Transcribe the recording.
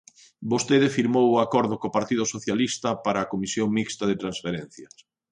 Vostede firmou o acordo co partido Socialista para a Comisión Mixta de Transferencias.